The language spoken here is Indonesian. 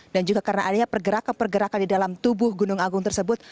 dan juga karena adanya pergerakan pergerakan di dalam tubuh gunung agung tersebut